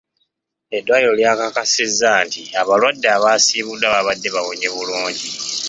Eddwaliro lya kakasizza nti abalwadde abasiibuddwa baabadde bawonye bulungi.